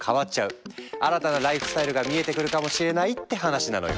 新たなライフスタイルが見えてくるかもしれないって話なのよ。